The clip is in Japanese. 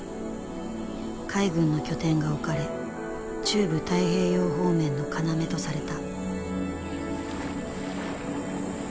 海軍の拠点が置かれ中部太平洋方面の要とされた。